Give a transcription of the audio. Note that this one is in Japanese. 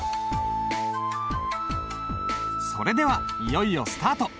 それではいよいよスタート！